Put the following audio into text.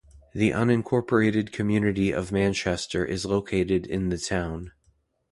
The unincorporated community of Manchester is located in the town.